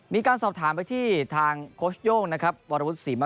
มีการสอบถามไปที่ทางโคชย่งวรพุทธศิมร์